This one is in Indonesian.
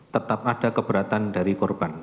tetap ada keberatan dari korban